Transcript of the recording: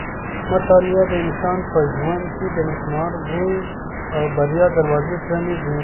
مطالعه د انسان په ژوند کې د نېکمرغۍ او بریا دروازې پرانیزي.